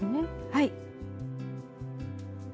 はい。